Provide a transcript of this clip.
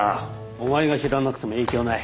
お前が知らなくても影響ない。